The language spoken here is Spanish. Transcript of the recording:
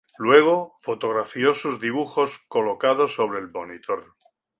Luego fotografió sus dibujos colocados sobre el monitor.